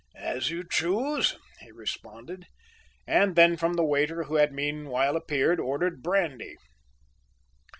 "As you choose," he responded, and then from the waiter, who had meanwhile appeared, ordered brandy.